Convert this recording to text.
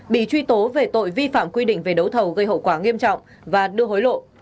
bị truy tố về tội vi phạm quy định về đấu thầu gây hậu quả nghiêm trọng và đưa hối lộ